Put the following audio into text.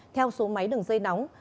theo số máy đường dây nóng